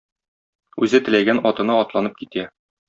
Үзе теләгән атына атланып китә.